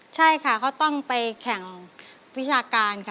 ใช่ค่ะเขาต้องไปแข่งวิชาการค่ะ